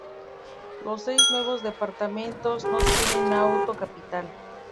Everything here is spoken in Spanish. Los seis nuevos departamentos no tienen aún capital.